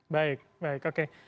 baik baik oke